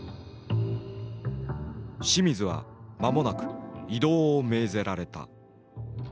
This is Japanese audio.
清水は間もなく異動を命ぜられた。